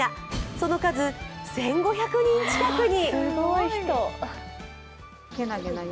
その数１５００人近くに。